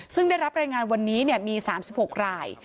ซึ่งได้รับรายงานวันนี้มี๓๖ราย